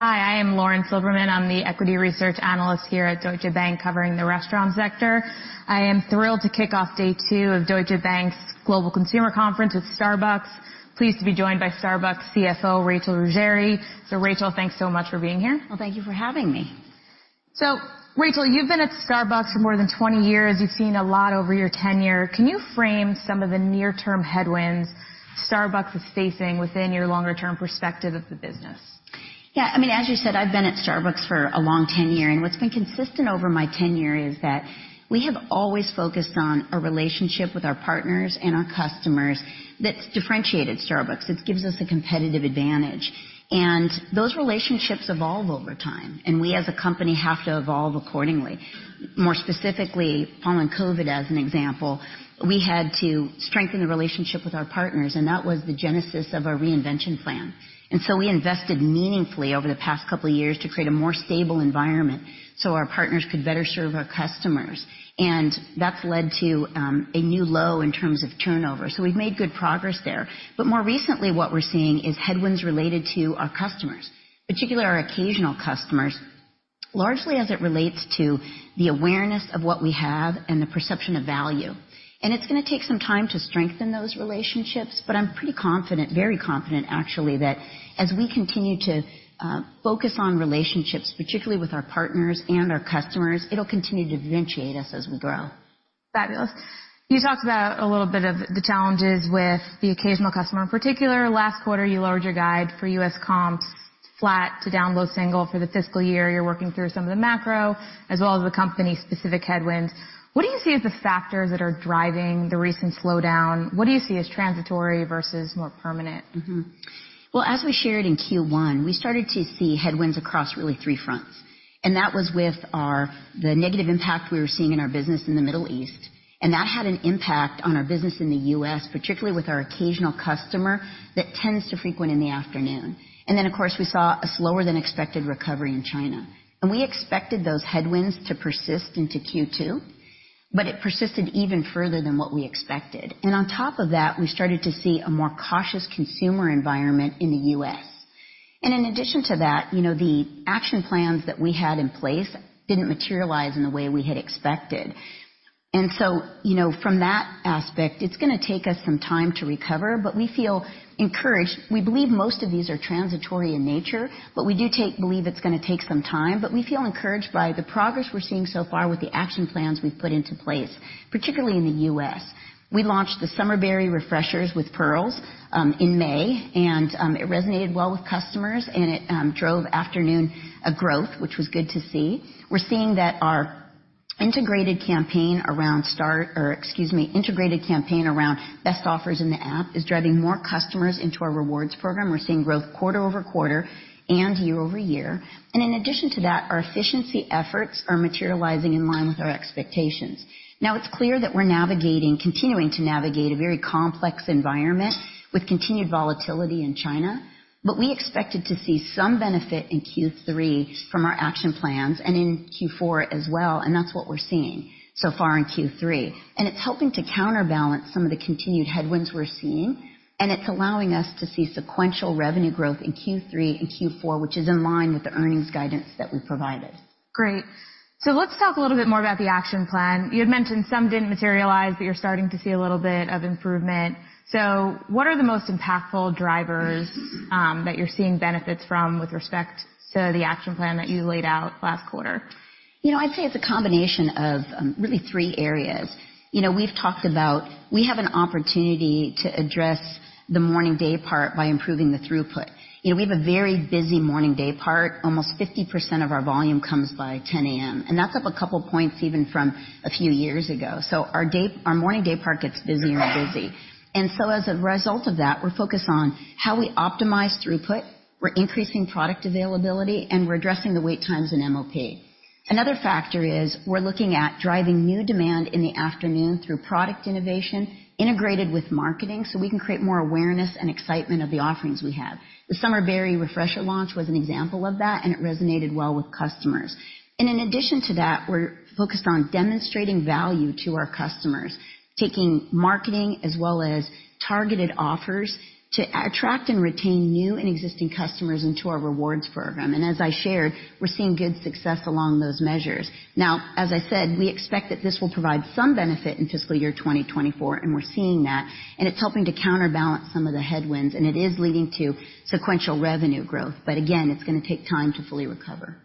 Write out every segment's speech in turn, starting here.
Hi, I am Lauren Silverman. I'm the equity research analyst here at Deutsche Bank, covering the restaurant sector. I am thrilled to kick off day two of Deutsche Bank's Global Consumer Conference with Starbucks. Pleased to be joined by Starbucks' CFO, Rachel Ruggeri. Rachel, thanks so much for being here. Well, thank you for having me. So, Rachel, you've been at Starbucks for more than 20 years. You've seen a lot over your tenure. Can you frame some of the near-term headwinds Starbucks is facing within your longer-term perspective of the business? Yeah, I mean, as you said, I've been at Starbucks for a long tenure, and what's been consistent over my tenure is that we have always focused on a relationship with our partners and our customers that's differentiated Starbucks. It gives us a competitive advantage. And those relationships evolve over time, and we, as a company, have to evolve accordingly. More specifically, following COVID, as an example, we had to strengthen the relationship with our partners, and that was the genesis of our Reinvention plan. And so we invested meaningfully over the past couple of years to create a more stable environment, so our partners could better serve our customers. And that's led to a new low in terms of turnover. So we've made good progress there. More recently, what we're seeing is headwinds related to our customers, particularly our occasional customers, largely as it relates to the awareness of what we have and the perception of value. It's going to take some time to strengthen those relationships, but I'm pretty confident, very confident, actually, that as we continue to focus on relationships, particularly with our partners and our customers, it'll continue to differentiate us as we grow. Fabulous. You talked about a little bit of the challenges with the occasional customer. In particular, last quarter, you lowered your guide for U.S. comps, flat to down low single for the fiscal year. You're working through some of the macro, as well as the company-specific headwinds. What do you see as the factors that are driving the recent slowdown? What do you see as transitory versus more permanent? Mm-hmm. Well, as we shared in Q1, we started to see headwinds across really three fronts, and that was with the negative impact we were seeing in our business in the Middle East, and that had an impact on our business in the US, particularly with our occasional customer, that tends to frequent in the afternoon. And then, of course, we saw a slower-than-expected recovery in China. And we expected those headwinds to persist into Q2, but it persisted even further than what we expected. And on top of that, we started to see a more cautious consumer environment in the US. And in addition to that, you know, the action plans that we had in place didn't materialize in the way we had expected. And so, you know, from that aspect, it's going to take us some time to recover, but we feel encouraged. We believe most of these are transitory in nature, but we believe it's going to take some time, but we feel encouraged by the progress we're seeing so far with the action plans we've put into place, particularly in the U.S. We launched the Summer Berry Refreshers with Pearls in May, and it resonated well with customers, and it drove afternoon growth, which was good to see. We're seeing that our integrated campaign around or excuse me, integrated campaign around best offers in the app is driving more customers into our rewards program. We're seeing growth quarter-over-quarter and year-over-year. In addition to that, our efficiency efforts are materializing in line with our expectations. Now, it's clear that we're navigating, continuing to navigate, a very complex environment with continued volatility in China, but we expected to see some benefit in Q3 from our action plans and in Q4 as well, and that's what we're seeing so far in Q3. And it's helping to counterbalance some of the continued headwinds we're seeing, and it's allowing us to see sequential revenue growth in Q3 and Q4, which is in line with the earnings guidance that we provided. Great. So let's talk a little bit more about the action plan. You had mentioned some didn't materialize, but you're starting to see a little bit of improvement. So what are the most impactful drivers, that you're seeing benefits from with respect to the action plan that you laid out last quarter? You know, I'd say it's a combination of really three areas. You know, we've talked about, we have an opportunity to address the morning day part by improving the throughput. You know, we have a very busy morning day part. Almost 50% of our volume comes by 10 A.M., and that's up a couple points even from a few years ago. So our day, our morning day part gets busier and busy. And so as a result of that, we're focused on how we optimize throughput, we're increasing product availability, and we're addressing the wait times in MOP. Another factor is we're looking at driving new demand in the afternoon through product innovation, integrated with marketing, so we can create more awareness and excitement of the offerings we have. The Summer Berry Refresher launch was an example of that, and it resonated well with customers. In addition to that, we're focused on demonstrating value to our customers, taking marketing as well as targeted offers to attract and retain new and existing customers into our rewards program. As I shared, we're seeing good success along those measures. Now, as I said, we expect that this will provide some benefit in fiscal year 2024, and we're seeing that, and it's helping to counterbalance some of the headwinds, and it is leading to sequential revenue growth. But again, it's going to take time to fully recover.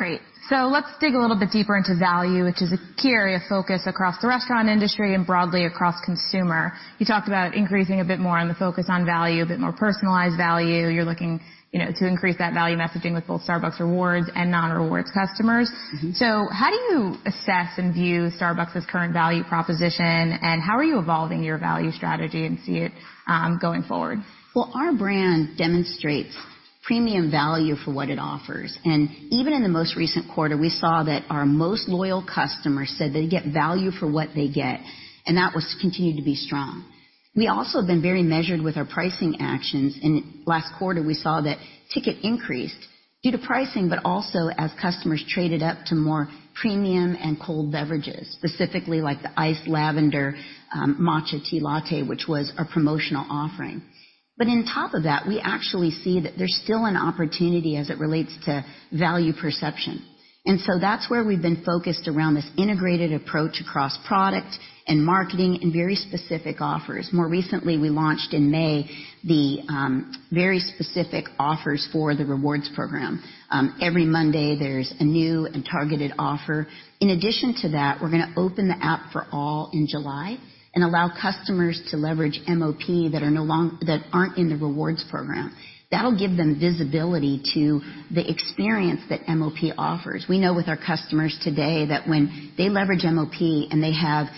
Great. So let's dig a little bit deeper into value, which is a key area of focus across the restaurant industry and broadly across consumer. You talked about increasing a bit more on the focus on value, a bit more personalized value. You're looking, you know, to increase that value messaging with both Starbucks Rewards and non-Rewards customers. So how do you assess and view Starbucks' current value proposition, and how are you evolving your value strategy and see it, going forward? Well, our brand demonstrates premium value for what it offers. And even in the most recent quarter, we saw that our most loyal customers said they get value for what they get, and that was continued to be strong. We also have been very measured with our pricing actions, and last quarter, we saw that ticket increased due to pricing, but also as customers traded up to more premium and cold beverages, specifically like the Iced Lavender Matcha Tea Latte, which was a promotional offering. But on top of that, we actually see that there's still an opportunity as it relates to value perception. And so that's where we've been focused around this integrated approach across product and marketing and very specific offers. More recently, we launched in May the very specific offers for the rewards program. Every Monday, there's a new and targeted offer. In addition to that, we're going to open the app for all in July and allow customers to leverage MOP that aren't in the rewards program. That'll give them visibility to the experience that MOP offers. We know with our customers today that when they leverage MOP, and they have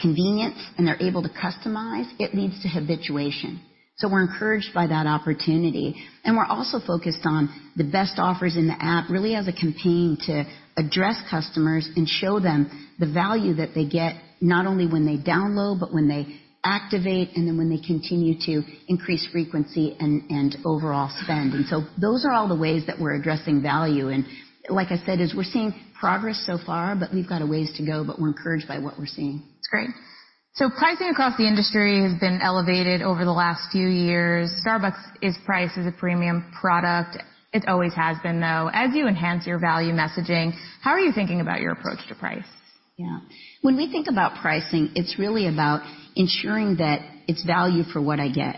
convenience, and they're able to customize, it leads to habituation. So we're encouraged by that opportunity, and we're also focused on the best offers in the app, really as a campaign to address customers and show them the value that they get, not only when they download, but when they activate, and then when they continue to increase frequency and overall spend. Those are all the ways that we're addressing value, and like I said, we're seeing progress so far, but we've got a ways to go, but we're encouraged by what we're seeing. That's great. So pricing across the industry has been elevated over the last few years. Starbucks is priced as a premium product. It always has been, though. As you enhance your value messaging, how are you thinking about your approach to price? Yeah. When we think about pricing, it's really about ensuring that it's value for what I get.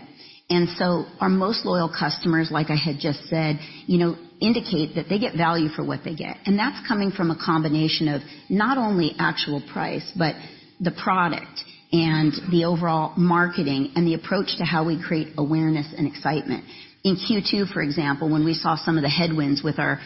And so our most loyal customers, like I had just said, you know, indicate that they get value for what they get. And that's coming from a combination of not only actual price, but the product and the overall marketing and the approach to how we create awareness and excitement. In Q2, for example, when we saw some of the headwinds with our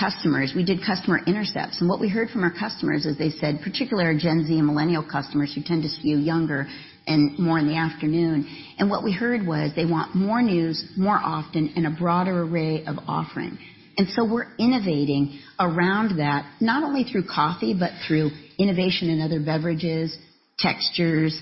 customers, we did customer intercepts, and what we heard from our customers is they said, particularly our Gen Z and millennial customers, who tend to skew younger and more in the afternoon. And what we heard was they want more news, more often, and a broader array of offering. And so we're innovating around that, not only through coffee, but through innovation in other beverages, textures,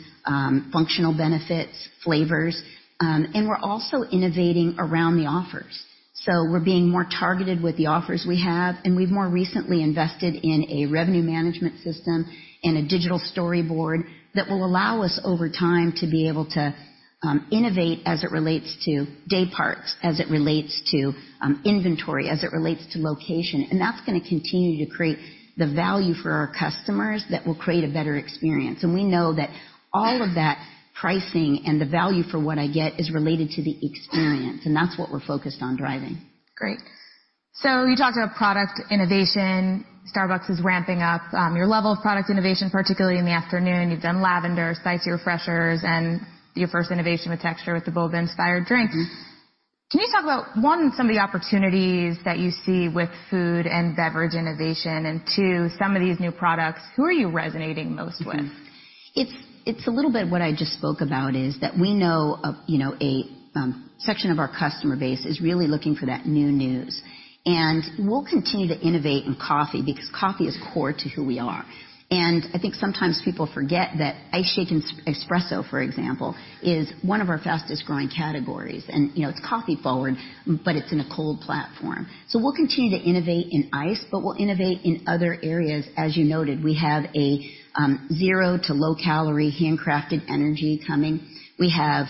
functional benefits, flavors, and we're also innovating around the offers. So we're being more targeted with the offers we have, and we've more recently invested in a revenue management system and a digital storyboard that will allow us, over time, to be able to, innovate as it relates to day parts, as it relates to, inventory, as it relates to location, and that's going to continue to create the value for our customers that will create a better experience. And we know that all of that pricing and the value for what I get is related to the experience, and that's what we're focused on driving. Great. So you talked about product innovation. Starbucks is ramping up, your level of product innovation, particularly in the afternoon. You've done lavender, Spicy Refreshers, and your first innovation with texture with the boba-inspired drinks. Can you talk about, one, some of the opportunities that you see with food and beverage innovation, and two, some of these new products, who are you resonating most with? Mm-hmm. It's, it's a little bit what I just spoke about is that we know, you know, a section of our customer base is really looking for that new news. And we'll continue to innovate in coffee because coffee is core to who we are. And I think sometimes people forget that Iced Shaken Espresso, for example, is one of our fastest-growing categories, and, you know, it's coffee forward, but it's in a cold platform. So we'll continue to innovate in ice, but we'll innovate in other areas. As you noted, we have a zero to low-calorie handcrafted energy coming. We have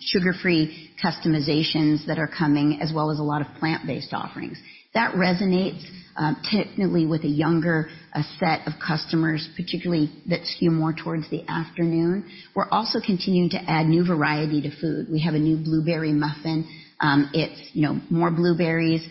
sugar-free customizations that are coming, as well as a lot of plant-based offerings. That resonates technically with a younger set of customers, particularly that skew more towards the afternoon. We're also continuing to add new variety to food. We have a new blueberry muffin. It's, you know, more blueberries,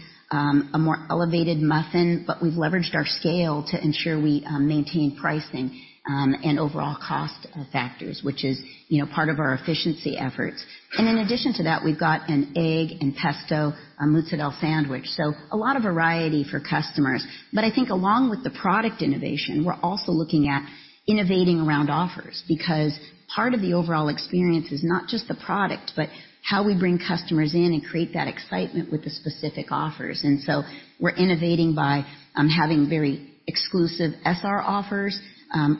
a more elevated muffin, but we've leveraged our scale to ensure we maintain pricing and overall cost factors, which is, you know, part of our efficiency efforts. In addition to that, we've got an egg and pesto, a mozzarella sandwich, so a lot of variety for customers. But I think along with the product innovation, we're also looking at innovating around offers, because part of the overall experience is not just the product, but how we bring customers in and create that excitement with the specific offers. So we're innovating by having very exclusive SR offers.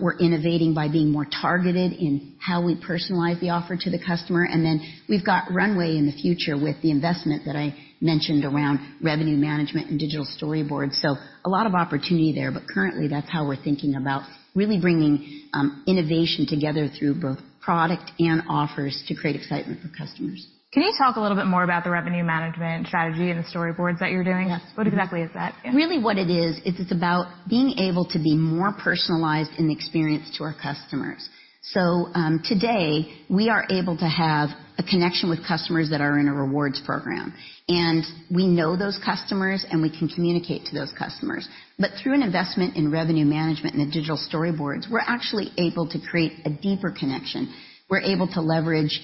We're innovating by being more targeted in how we personalize the offer to the customer. Then we've got runway in the future with the investment that I mentioned around revenue management and digital storyboards. So a lot of opportunity there, but currently, that's how we're thinking about really bringing innovation together through both product and offers to create excitement for customers. Can you talk a little bit more about the revenue management strategy and the storyboards that you're doing? Yes. What exactly is that? Really, what it is, is it's about being able to be more personalized in the experience to our customers. So, today, we are able to have a connection with customers that are in a rewards program, and we know those customers, and we can communicate to those customers. But through an investment in revenue management and the digital storyboards, we're actually able to create a deeper connection. We're able to leverage,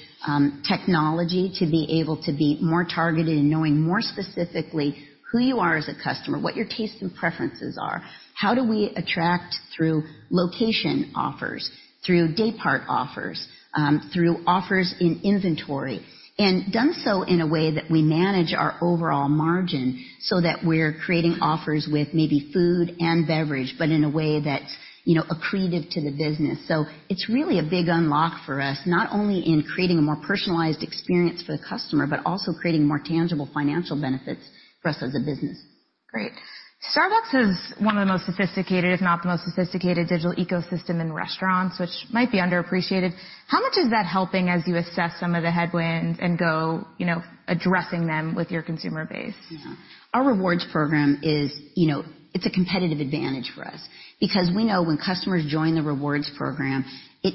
technology to be able to be more targeted in knowing more specifically who you are as a customer, what your tastes and preferences are, how do we attract through location offers, through day part offers, through offers in inventory, and done so in a way that we manage our overall margin so that we're creating offers with maybe food and beverage, but in a way that's, you know, accretive to the business. It's really a big unlock for us, not only in creating a more personalized experience for the customer, but also creating more tangible financial benefits for us as a business. Great! Starbucks has one of the most sophisticated, if not the most sophisticated, digital ecosystem in restaurants, which might be underappreciated. How much is that helping as you assess some of the headwinds and go, you know, addressing them with your consumer base? Yeah. Our rewards program is, you know, it's a competitive advantage for us. Because we know when customers join the rewards program, they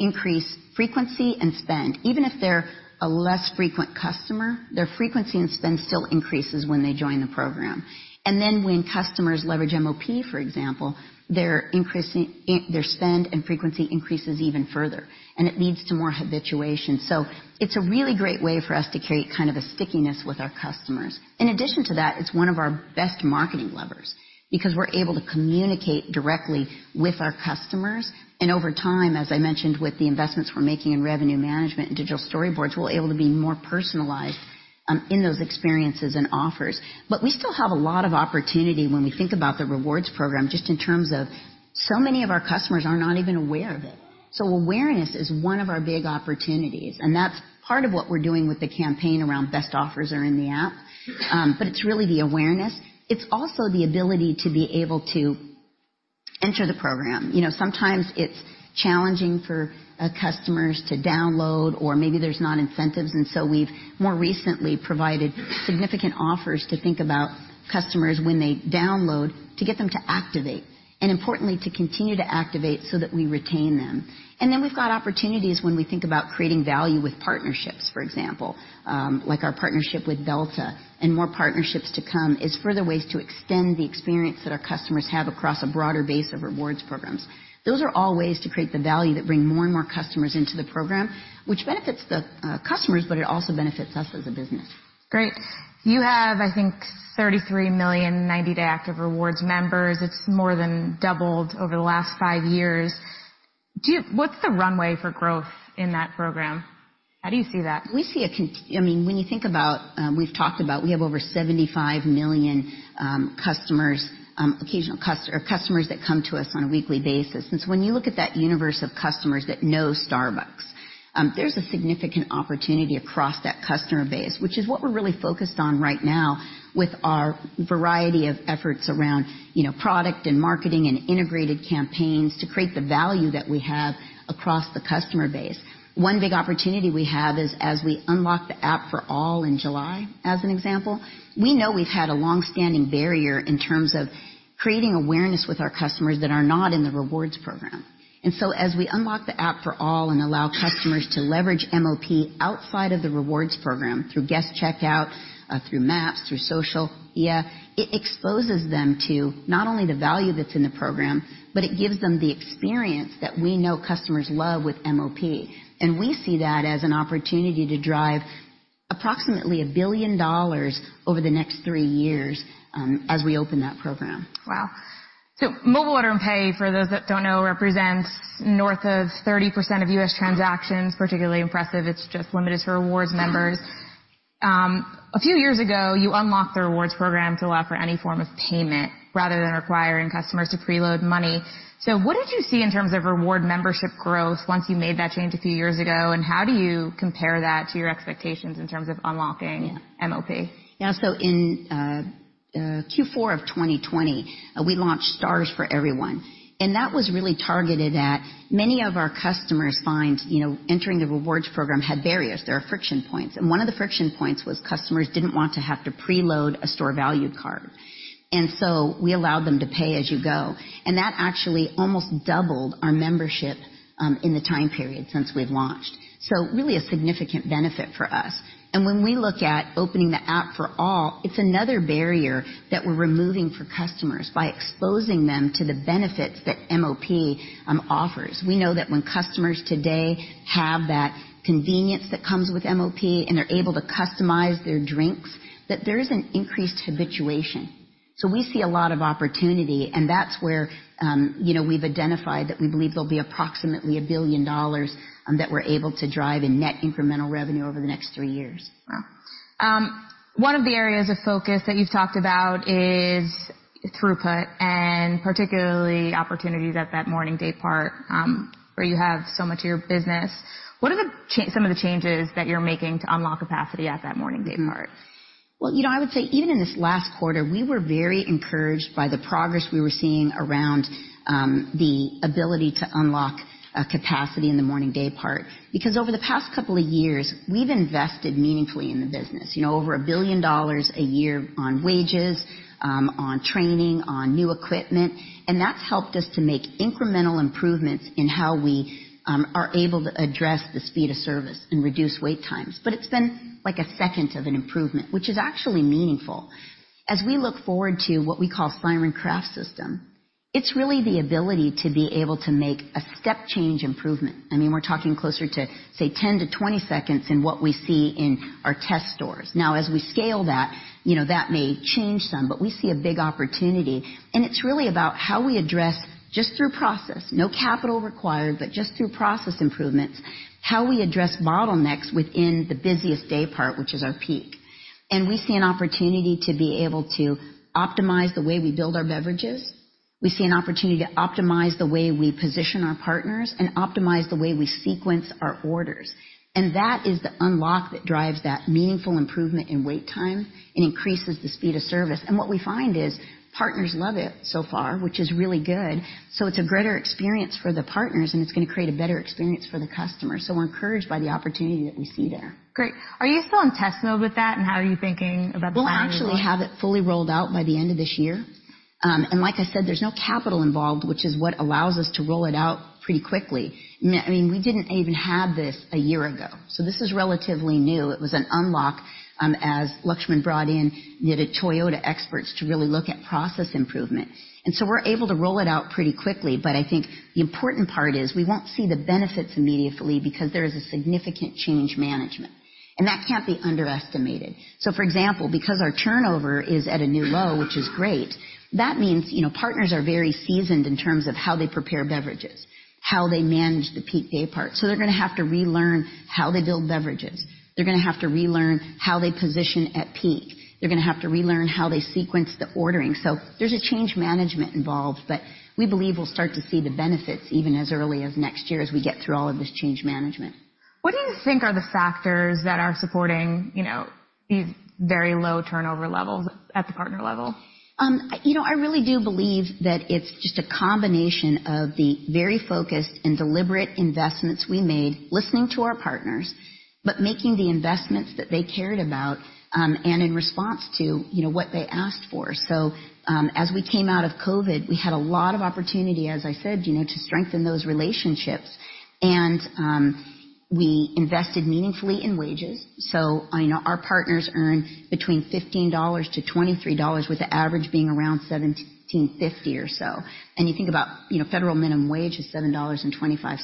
increase frequency and spend. Even if they're a less frequent customer, their frequency and spend still increases when they join the program. And then, when customers leverage MOP, for example, they're increasing their spend and frequency increases even further, and it leads to more habituation. So it's a really great way for us to create kind of a stickiness with our customers. In addition to that, it's one of our best marketing levers, because we're able to communicate directly with our customers. And over time, as I mentioned, with the investments we're making in revenue management and digital storyboards, we're able to be more personalized in those experiences and offers. But we still have a lot of opportunity when we think about the rewards program, just in terms of so many of our customers are not even aware of it. So awareness is one of our big opportunities, and that's part of what we're doing with the campaign around best offers are in the app. But it's really the awareness. It's also the ability to be able to enter the program. You know, sometimes it's challenging for customers to download, or maybe there's not incentives, and so we've more recently provided significant offers to think about customers when they download, to get them to activate, and importantly, to continue to activate so that we retain them. And then we've got opportunities when we think about creating value with partnerships, for example, like our partnership with Delta and more partnerships to come, is further ways to extend the experience that our customers have across a broader base of rewards programs. Those are all ways to create the value that bring more and more customers into the program, which benefits the, customers, but it also benefits us as a business. Great. You have, I think, 33 million 90-day active rewards members. It's more than doubled over the last 5 years. What's the runway for growth in that program? How do you see that? We see a con-- I mean, when you think about, we've talked about, we have over 75 million customers, occasional customers that come to us on a weekly basis. And so when you look at that universe of customers that know Starbucks, there's a significant opportunity across that customer base, which is what we're really focused on right now with our variety of efforts around, you know, product and marketing and integrated campaigns to create the value that we have across the customer base. One big opportunity we have is as we unlock the app for all in July, as an example, we know we've had a long-standing barrier in terms of creating awareness with our customers that are not in the rewards program. As we unlock the app for all and allow customers to leverage MOP outside of the rewards program, through guest checkout, through Maps, through social, yeah, it exposes them to not only the value that's in the program, but it gives them the experience that we know customers love with MOP. We see that as an opportunity to drive approximately $1 billion over the next three years, as we open that program. Wow! So Mobile Order & Pay, for those that don't know, represents north of 30% of US transactions, particularly impressive. It's just limited to rewards members. A few years ago, you unlocked the rewards program to allow for any form of payment rather than requiring customers to preload money. So what did you see in terms of reward membership growth once you made that change a few years ago, and how do you compare that to your expectations in terms of unlocking- Yeah. -MOP? Yeah, so in Q4 of 2020, we launched Stars for Everyone, and that was really targeted at many of our customers find, you know, entering the rewards program had barriers. There are friction points, and one of the friction points was customers didn't want to have to preload a store value card. And so we allowed them to pay as you go, and that actually almost doubled our membership in the time period since we've launched. So really a significant benefit for us. And when we look at opening the app for all, it's another barrier that we're removing for customers by exposing them to the benefits that MOP offers. We know that when customers today have that convenience that comes with MOP, and they're able to customize their drinks, that there is an increased habituation. So we see a lot of opportunity, and that's where, you know, we've identified that we believe there'll be approximately $1 billion that we're able to drive in net incremental revenue over the next three years. Wow! One of the areas of focus that you've talked about is throughput and particularly opportunities at that morning day part, where you have so much of your business. What are some of the changes that you're making to unlock capacity at that morning day part? Well, you know, I would say even in this last quarter, we were very encouraged by the progress we were seeing around the ability to unlock capacity in the morning day part. Because over the past couple of years, we've invested meaningfully in the business. You know, over $1 billion a year on wages, on training, on new equipment, and that's helped us to make incremental improvements in how we are able to address the speed of service and reduce wait times. But it's been like 1 second of an improvement, which is actually meaningful. As we look forward to what we call Siren Craft System, it's really the ability to be able to make a step change improvement. I mean, we're talking closer to, say, 10-20 seconds in what we see in our test stores. Now, as we scale that, you know, that may change some, but we see a big opportunity, and it's really about how we address, just through process, no capital required, but just through process improvements, how we address bottlenecks within the busiest day part, which is our peak. And we see an opportunity to be able to optimize the way we build our beverages.... We see an opportunity to optimize the way we position our partners and optimize the way we sequence our orders, and that is the unlock that drives that meaningful improvement in wait time and increases the speed of service. And what we find is, partners love it so far, which is really good. So it's a greater experience for the partners, and it's going to create a better experience for the customer. So we're encouraged by the opportunity that we see there. Great. Are you still in test mode with that? How are you thinking about the timing of that? We'll actually have it fully rolled out by the end of this year. And like I said, there's no capital involved, which is what allows us to roll it out pretty quickly. I mean, we didn't even have this a year ago, so this is relatively new. It was an unlock, as Laxman brought in the Toyota experts to really look at process improvement, and so we're able to roll it out pretty quickly. But I think the important part is we won't see the benefits immediately because there is a significant change management, and that can't be underestimated. So for example, because our turnover is at a new low, which is great, that means, you know, partners are very seasoned in terms of how they prepare beverages, how they manage the peak day parts. So they're going to have to relearn how they build beverages. They're going to have to relearn how they position at peak. They're going to have to relearn how they sequence the ordering. So there's a change management involved, but we believe we'll start to see the benefits even as early as next year, as we get through all of this change management. What do you think are the factors that are supporting, you know, these very low turnover levels at the partner level? You know, I really do believe that it's just a combination of the very focused and deliberate investments we made, listening to our partners, but making the investments that they cared about, and in response to, you know, what they asked for. So, as we came out of COVID, we had a lot of opportunity, as I said, you know, to strengthen those relationships. And we invested meaningfully in wages. So I know our partners earn between $15-$23, with the average being around $17.50 or so. And you think about, you know, federal minimum wage is $7.25,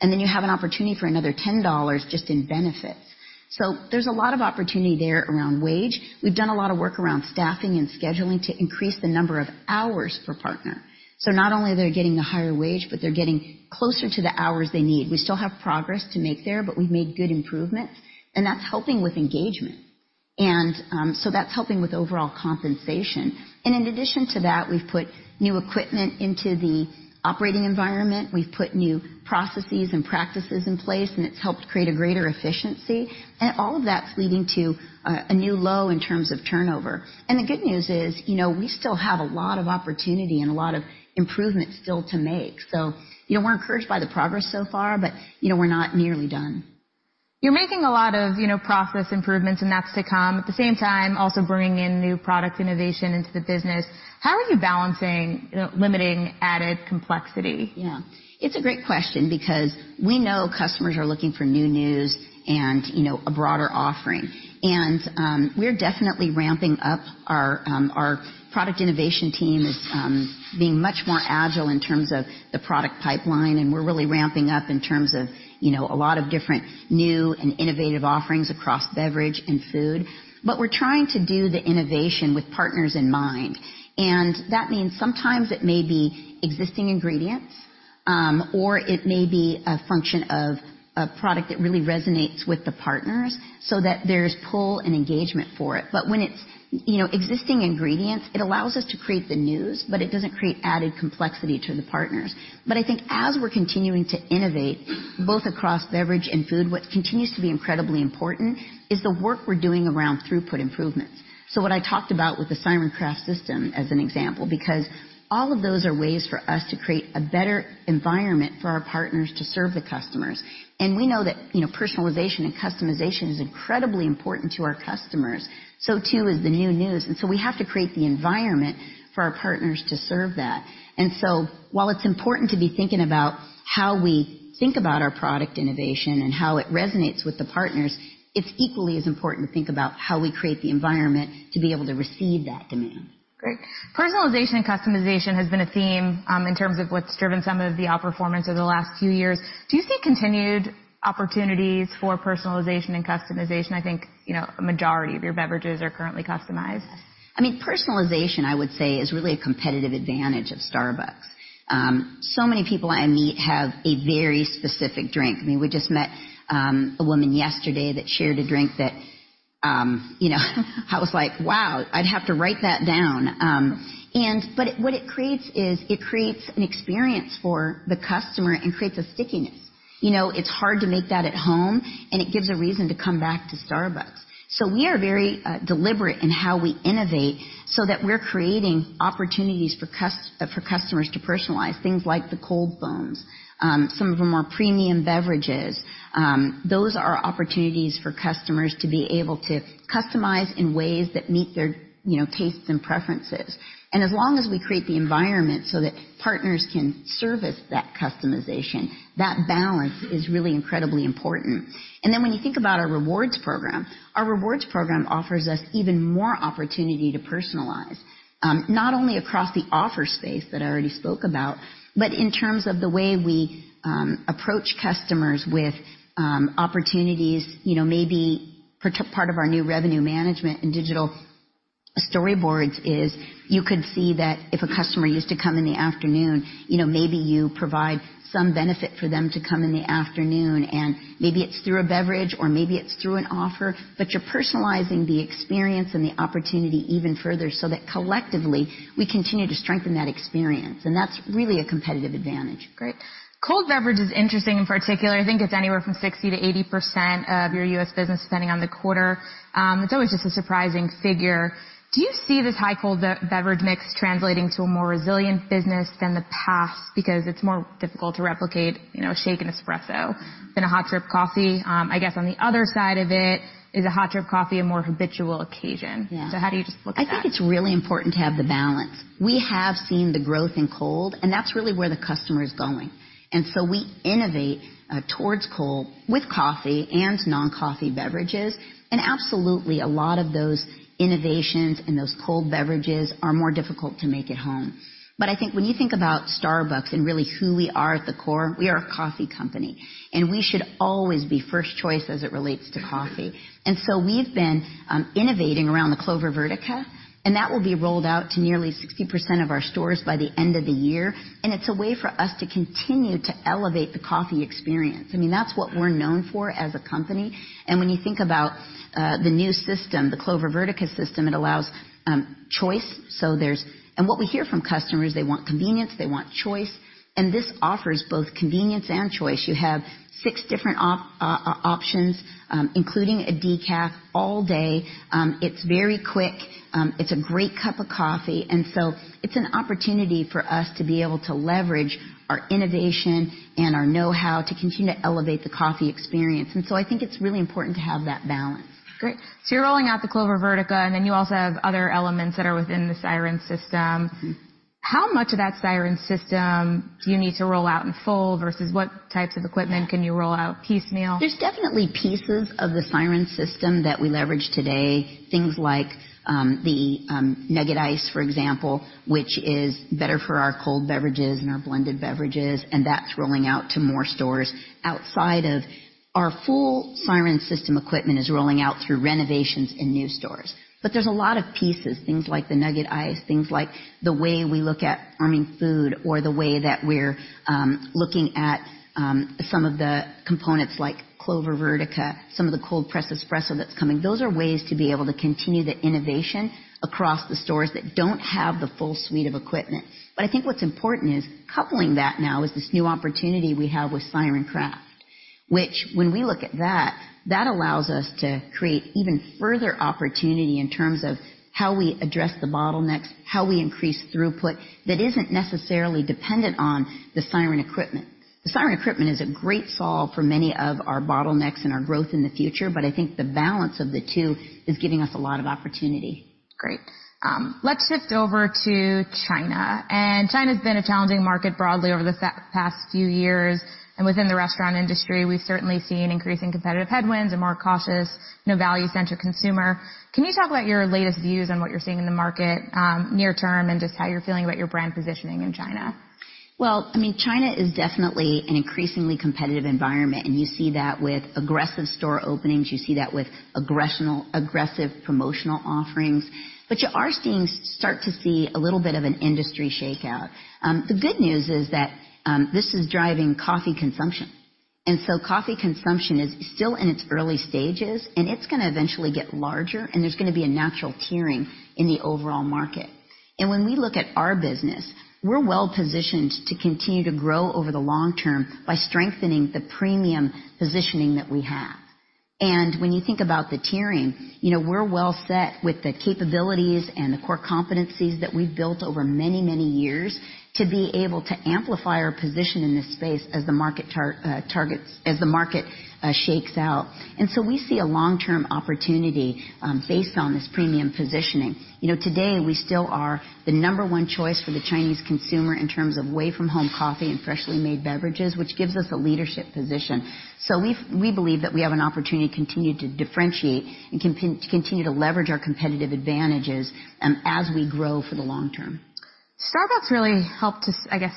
and then you have an opportunity for another $10 just in benefits. So there's a lot of opportunity there around wage. We've done a lot of work around staffing and scheduling to increase the number of hours per partner. So not only are they getting the higher wage, but they're getting closer to the hours they need. We still have progress to make there, but we've made good improvements, and that's helping with engagement. And, so that's helping with overall compensation. And in addition to that, we've put new equipment into the operating environment. We've put new processes and practices in place, and it's helped create a greater efficiency. And all of that's leading to a new low in terms of turnover. And the good news is, you know, we still have a lot of opportunity and a lot of improvement still to make. So, you know, we're encouraged by the progress so far, but, you know, we're not nearly done. You're making a lot of, you know, process improvements, and that's to come. At the same time, also bringing in new product innovation into the business. How are you balancing, you know, limiting added complexity? Yeah, it's a great question because we know customers are looking for new news and, you know, a broader offering. And, we're definitely ramping up our—our product innovation team is being much more agile in terms of the product pipeline, and we're really ramping up in terms of, you know, a lot of different new and innovative offerings across beverage and food. But we're trying to do the innovation with partners in mind, and that means sometimes it may be existing ingredients, or it may be a function of a product that really resonates with the partners so that there's pull and engagement for it. But when it's, you know, existing ingredients, it allows us to create the news, but it doesn't create added complexity to the partners. But I think as we're continuing to innovate, both across beverage and food, what continues to be incredibly important is the work we're doing around throughput improvements. So what I talked about with the Siren Craft System as an example, because all of those are ways for us to create a better environment for our partners to serve the customers. And we know that, you know, personalization and customization is incredibly important to our customers. So, too, is the new news, and so we have to create the environment for our partners to serve that. And so, while it's important to be thinking about how we think about our product innovation and how it resonates with the partners, it's equally as important to think about how we create the environment to be able to receive that demand. Great. Personalization and customization has been a theme in terms of what's driven some of the outperformance over the last few years. Do you see continued opportunities for personalization and customization? I think, you know, a majority of your beverages are currently customized. I mean, personalization, I would say, is really a competitive advantage of Starbucks. So many people I meet have a very specific drink. I mean, we just met a woman yesterday that shared a drink that, you know, I was like: Wow, I'd have to write that down. But what it creates is, it creates an experience for the customer and creates a stickiness. You know, it's hard to make that at home, and it gives a reason to come back to Starbucks. So we are very deliberate in how we innovate so that we're creating opportunities for customers to personalize, things like the cold foams. Some of them are premium beverages. Those are opportunities for customers to be able to customize in ways that meet their, you know, tastes and preferences. As long as we create the environment so that partners can service that customization, that balance is really incredibly important. And then, when you think about our rewards program, our rewards program offers us even more opportunity to personalize, not only across the offer space that I already spoke about, but in terms of the way we approach customers with opportunities, you know, maybe part of our new revenue management and digital storyboards is, you could see that if a customer used to come in the afternoon, you know, maybe you provide some benefit for them to come in the afternoon, and maybe it's through a beverage or maybe it's through an offer, but you're personalizing the experience and the opportunity even further, so that collectively, we continue to strengthen that experience. And that's really a competitive advantage. Great. Cold beverage is interesting, in particular. I think it's anywhere from 60%-80% of your US business, depending on the quarter. It's always just a surprising figure. Do you see this high cold beverage mix translating to a more resilient business than the past? Because it's more difficult to replicate, you know, a shake and espresso than a hot drip coffee. I guess on the other side of it, is a hot drip coffee, a more habitual occasion? Yeah. How do you just look at that? I think it's really important to have the balance. We have seen the growth in cold, and that's really where the customer is going. And so we innovate towards cold with coffee and non-coffee beverages, and absolutely, a lot of those innovations and those cold beverages are more difficult to make at home. But I think when you think about Starbucks and really who we are at the core, we are a coffee company, and we should always be first choice as it relates to coffee. And so we've been innovating around the Clover Vertica, and that will be rolled out to nearly 60% of our stores by the end of the year, and it's a way for us to continue to elevate the coffee experience. I mean, that's what we're known for as a company. When you think about the new system, the Clover Vertica system, it allows choice. What we hear from customers, they want convenience, they want choice, and this offers both convenience and choice. You have six different options, including a decaf all day. It's very quick. It's a great cup of coffee, and so it's an opportunity for us to be able to leverage our innovation and our know-how to continue to elevate the coffee experience. So I think it's really important to have that balance. Great. So you're rolling out the Clover Vertica, and then you also have other elements that are within the Siren system. How much of that Siren System do you need to roll out in full, versus what types of equipment- Yeah. Can you roll out piecemeal? There's definitely pieces of the Siren system that we leverage today. Things like, the, nugget ice, for example, which is better for our cold beverages and our blended beverages, and that's rolling out to more stores. Outside of... Our full Siren system equipment is rolling out through renovations in new stores. But there's a lot of pieces, things like the nugget ice, things like the way we look at farming food or the way that we're, looking at, some of the components like Clover Vertica, some of the cold press espresso that's coming. Those are ways to be able to continue the innovation across the stores that don't have the full suite of equipment. But I think what's important is coupling that now is this new opportunity we have with Siren Craft, which when we look at that, that allows us to create even further opportunity in terms of how we address the bottlenecks, how we increase throughput, that isn't necessarily dependent on the Siren equipment. The Siren equipment is a great solve for many of our bottlenecks and our growth in the future, but I think the balance of the two is giving us a lot of opportunity. Great. Let's shift over to China. China's been a challenging market broadly over the past few years. Within the restaurant industry, we've certainly seen increasing competitive headwinds, a more cautious, you know, value-centric consumer. Can you talk about your latest views on what you're seeing in the market, near term, and just how you're feeling about your brand positioning in China? Well, I mean, China is definitely an increasingly competitive environment, and you see that with aggressive store openings, you see that with aggressive promotional offerings. But you are starting to see a little bit of an industry shakeout. The good news is that this is driving coffee consumption, and so coffee consumption is still in its early stages, and it's gonna eventually get larger, and there's gonna be a natural tiering in the overall market. And when we look at our business, we're well-positioned to continue to grow over the long term by strengthening the premium positioning that we have. When you think about the tiering, you know, we're well set with the capabilities and the core competencies that we've built over many, many years to be able to amplify our position in this space as the market shakes out. So we see a long-term opportunity based on this premium positioning. You know, today, we still are the number one choice for the Chinese consumer in terms of away-from-home coffee and freshly made beverages, which gives us a leadership position. We believe that we have an opportunity to continue to differentiate and continue to leverage our competitive advantages as we grow for the long term. Starbucks really helped to, I guess,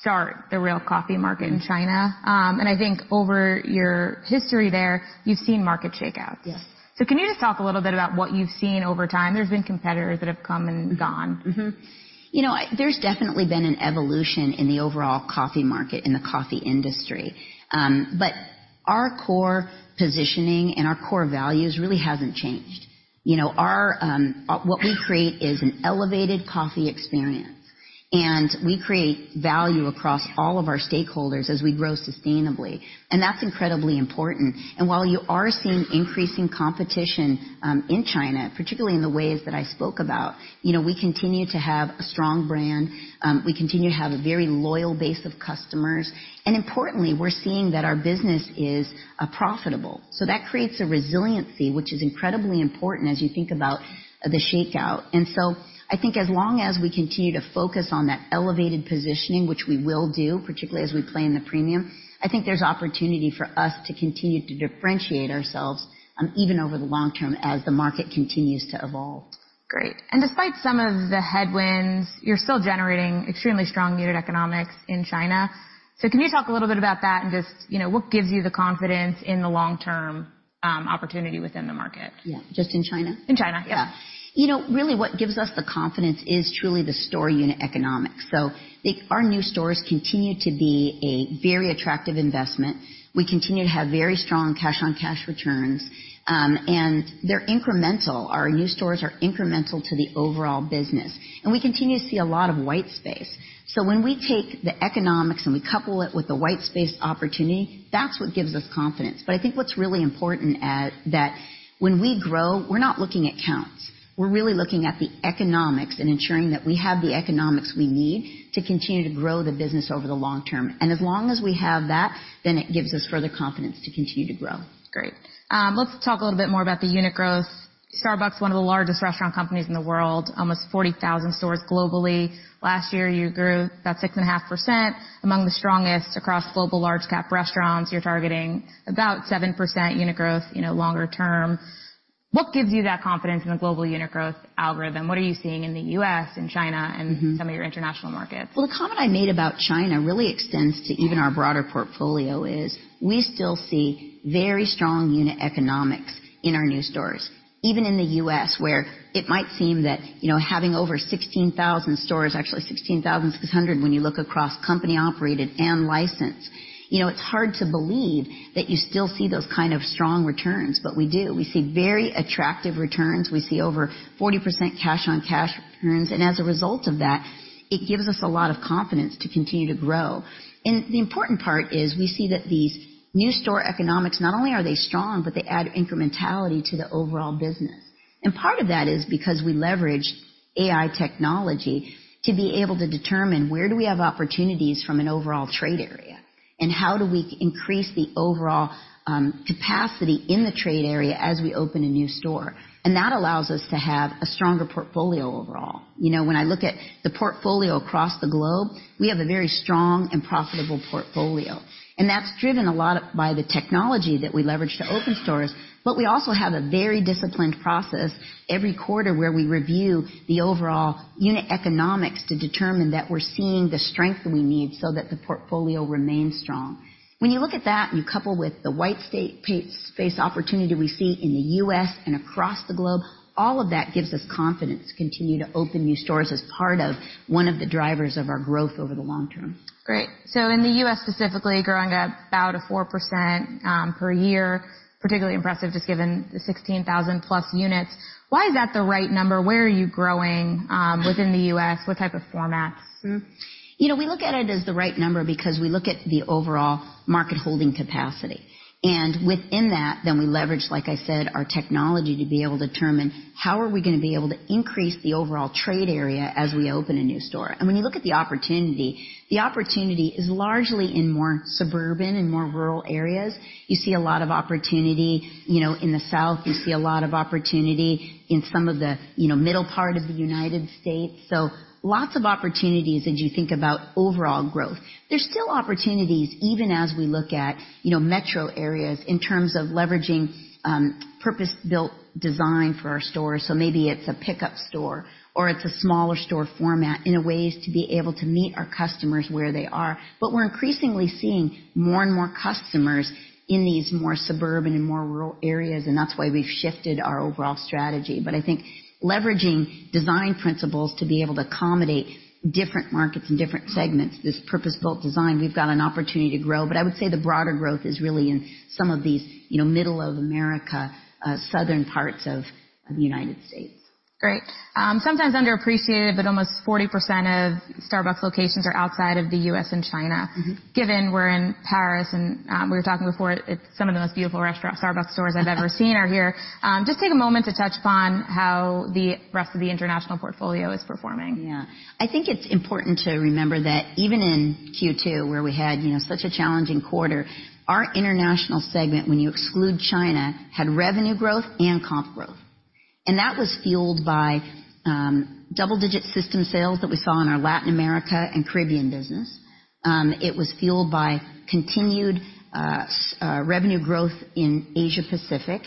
start the real coffee market- -in China. I think over your history there, you've seen market shakeouts. Yes. Can you just talk a little bit about what you've seen over time? There's been competitors that have come and gone. Mm-hmm. You know, there's definitely been an evolution in the overall coffee market, in the coffee industry. But our core positioning and our core values really hasn't changed. You know, our, what we create is an elevated coffee experience, and we create value across all of our stakeholders as we grow sustainably, and that's incredibly important. And while you are seeing increasing competition, in China, particularly in the ways that I spoke about, you know, we continue to have a strong brand, we continue to have a very loyal base of customers, and importantly, we're seeing that our business is, profitable. So that creates a resiliency, which is incredibly important as you think about the shakeout. And so I think as long as we continue to focus on that elevated positioning, which we will do, particularly as we play in the premium, I think there's opportunity for us to continue to differentiate ourselves, even over the long term, as the market continues to evolve. Great. And despite some of the headwinds, you're still generating extremely strong unit economics in China. So can you talk a little bit about that and just, you know, what gives you the confidence in the long-term opportunity within the market? Yeah. Just in China? In China, yes. Yeah. You know, really, what gives us the confidence is truly the store unit economics. So the, our new stores continue to be a very attractive investment. We continue to have very strong cash-on-cash returns, and they're incremental. Our new stores are incremental to the overall business. And we continue to see a lot of white space.... So when we take the economics, and we couple it with the white space opportunity, that's what gives us confidence. But I think what's really important, that when we grow, we're not looking at counts. We're really looking at the economics and ensuring that we have the economics we need to continue to grow the business over the long term. And as long as we have that, then it gives us further confidence to continue to grow. Great. Let's talk a little bit more about the unit growth. Starbucks, one of the largest restaurant companies in the world, almost 40,000 stores globally. Last year, you grew about 6.5%, among the strongest across global large cap restaurants. You're targeting about 7% unit growth, you know, longer term. What gives you that confidence in the global unit growth algorithm? What are you seeing in the U.S., in China- and some of your international markets? Well, the comment I made about China really extends to even our broader portfolio, is we still see very strong unit economics in our new stores, even in the U.S., where it might seem that, you know, having over 16,000 stores, actually 16,600, when you look across company-operated and licensed. You know, it's hard to believe that you still see those kind of strong returns, but we do. We see very attractive returns. We see over 40% cash on cash returns, and as a result of that, it gives us a lot of confidence to continue to grow. And the important part is we see that these new store economics, not only are they strong, but they add incrementality to the overall business. Part of that is because we leverage AI technology to be able to determine where do we have opportunities from an overall trade area, and how do we increase the overall, capacity in the trade area as we open a new store? That allows us to have a stronger portfolio overall. You know, when I look at the portfolio across the globe, we have a very strong and profitable portfolio, and that's driven a lot by the technology that we leverage to open stores. But we also have a very disciplined process every quarter where we review the overall unit economics to determine that we're seeing the strength we need so that the portfolio remains strong. When you look at that and you couple with the white space opportunity we see in the U.S. and across the globe, all of that gives us confidence to continue to open new stores as part of one of the drivers of our growth over the long term. Great. So in the U.S., specifically, growing about 4% per year, particularly impressive, just given the 16,000+ units. Why is that the right number? Where are you growing within the U.S.? What type of formats? Mm-hmm. You know, we look at it as the right number because we look at the overall market holding capacity, and within that, then we leverage, like I said, our technology to be able to determine how are we gonna be able to increase the overall trade area as we open a new store. When you look at the opportunity, the opportunity is largely in more suburban and more rural areas. You see a lot of opportunity, you know, in the South. You see a lot of opportunity in some of the, you know, middle part of the United States, so lots of opportunities as you think about overall growth. There's still opportunities, even as we look at, you know, metro areas, in terms of leveraging purpose-built design for our stores. So maybe it's a pickup store, or it's a smaller store format, in ways to be able to meet our customers where they are. But we're increasingly seeing more and more customers in these more suburban and more rural areas, and that's why we've shifted our overall strategy. But I think leveraging design principles to be able to accommodate different markets and different segments, this purpose-built design, we've got an opportunity to grow. But I would say the broader growth is really in some of these, you know, middle of America, southern parts of the United States. Great. Sometimes underappreciated, but almost 40% of Starbucks locations are outside of the U.S. and China. Given we're in Paris, and we were talking before, it's some of the most beautiful restaurant, Starbucks stores I've ever seen are here. Just take a moment to touch upon how the rest of the international portfolio is performing. Yeah. I think it's important to remember that even in Q2, where we had, you know, such a challenging quarter, our international segment, when you exclude China, had revenue growth and comp growth, and that was fueled by double-digit system sales that we saw in our Latin America and Caribbean business. It was fueled by continued revenue growth in Asia Pacific,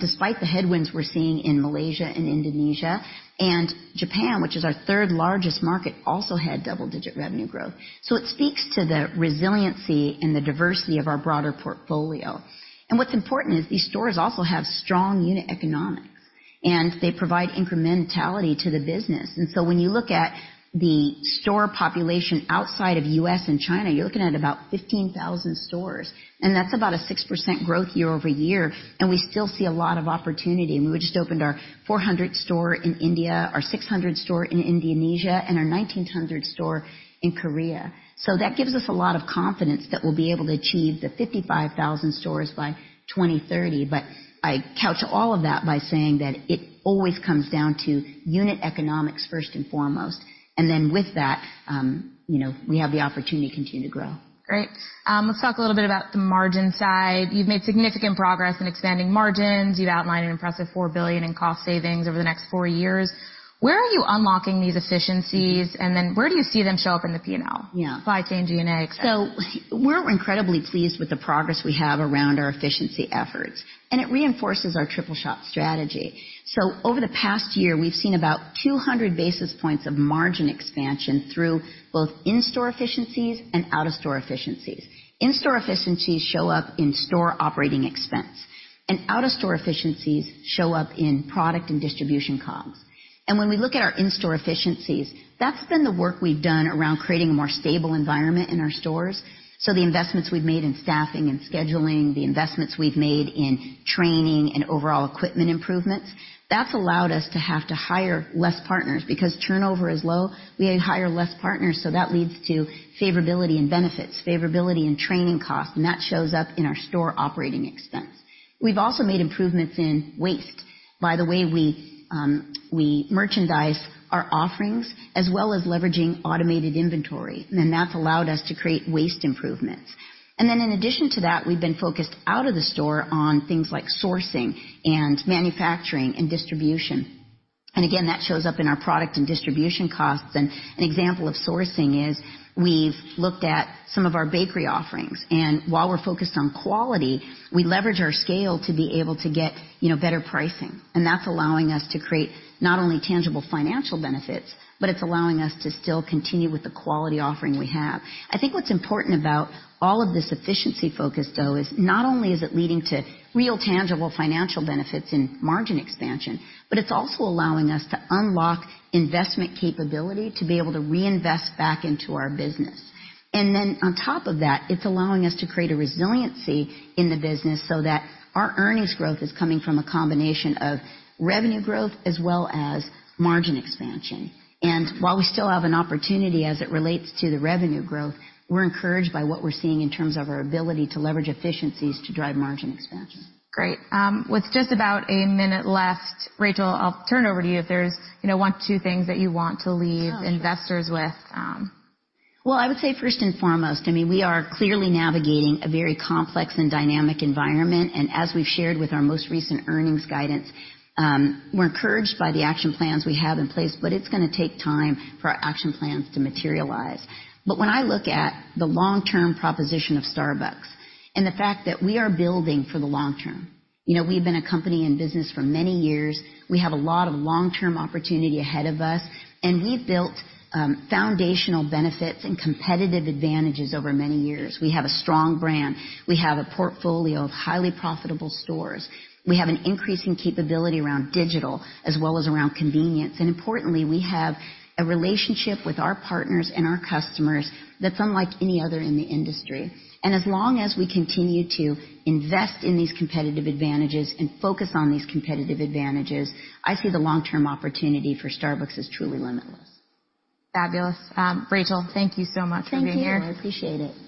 despite the headwinds we're seeing in Malaysia and Indonesia. And Japan, which is our third largest market, also had double-digit revenue growth. So it speaks to the resiliency and the diversity of our broader portfolio. And what's important is these stores also have strong unit economics, and they provide incrementality to the business. When you look at the store population outside of U.S. and China, you're looking at about 15,000 stores, and that's about a 6% growth year-over-year, and we still see a lot of opportunity. We just opened our 400th store in India, our 600th store in Indonesia, and our 1,900th store in Korea. That gives us a lot of confidence that we'll be able to achieve the 55,000 stores by 2030. But I couch all of that by saying that it always comes down to unit economics, first and foremost, and then with that, you know, we have the opportunity to continue to grow. Great. Let's talk a little bit about the margin side. You've made significant progress in expanding margins. You've outlined an impressive $4 billion in cost savings over the next four years. Where are you unlocking these efficiencies? And then where do you see them show up in the P&L? Yeah. Supply chain, G&A, et cetera. We're incredibly pleased with the progress we have around our efficiency efforts, and it reinforces our Triple Shot strategy. Over the past year, we've seen about 200 basis points of margin expansion through both in-store efficiencies and out-of-store efficiencies. In-store efficiencies show up in store operating expense. Out-of-store efficiencies show up in product and distribution comps. When we look at our in-store efficiencies, that's been the work we've done around creating a more stable environment in our stores. The investments we've made in staffing and scheduling, the investments we've made in training and overall equipment improvements, that's allowed us to have to hire less partners. Because turnover is low, we hire less partners, so that leads to favorability and benefits, favorability and training costs, and that shows up in our store operating expense. We've also made improvements in waste by the way we merchandise our offerings, as well as leveraging automated inventory, and that's allowed us to create waste improvements. Then in addition to that, we've been focused out of the store on things like sourcing and Manufacturing and distribution. Again, that shows up in our product and distribution costs. An example of sourcing is we've looked at some of our bakery offerings, and while we're focused on quality, we leverage our scale to be able to get, you know, better pricing. That's allowing us to create not only tangible financial benefits, but it's allowing us to still continue with the quality offering we have. I think what's important about all of this efficiency focus, though, is not only is it leading to real, tangible financial benefits in margin expansion, but it's also allowing us to unlock investment capability to be able to reinvest back into our business. And then on top of that, it's allowing us to create a resiliency in the business so that our earnings growth is coming from a combination of revenue growth as well as margin expansion. And while we still have an opportunity as it relates to the revenue growth, we're encouraged by what we're seeing in terms of our ability to leverage efficiencies to drive margin expansion. Great. With just about a minute left, Rachel, I'll turn it over to you if there's, you know, one or two things that you want to leave investors with. Well, I would say first and foremost, I mean, we are clearly navigating a very complex and dynamic environment, and as we've shared with our most recent earnings guidance, we're encouraged by the action plans we have in place, but it's gonna take time for our action plans to materialize. But when I look at the long-term proposition of Starbucks and the fact that we are building for the long term, you know, we've been a company in business for many years. We have a lot of long-term opportunity ahead of us, and we've built, foundational benefits and competitive advantages over many years. We have a strong brand. We have a portfolio of highly profitable stores. We have an increasing capability around digital as well as around convenience, and importantly, we have a relationship with our partners and our customers that's unlike any other in the industry. As long as we continue to invest in these competitive advantages and focus on these competitive advantages, I see the long-term opportunity for Starbucks as truly limitless. Fabulous. Rachel, thank you so much for being here. Thank you. I appreciate it.